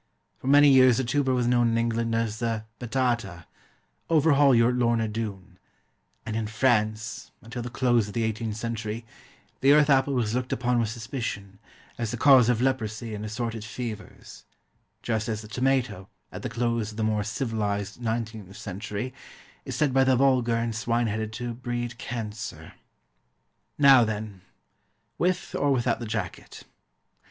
For many years the tuber was known in England as the "Batata" overhaul your Lorna Doone and in France, until the close of the eighteenth century, the earth apple was looked upon with suspicion, as the cause of leprosy and assorted fevers; just as the tomato, at the close of the more civilised nineteenth century, is said by the vulgar and swine headed to breed cancer. Now then, With or without the jacket?